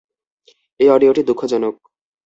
এই অডিওটি দুঃখজনক।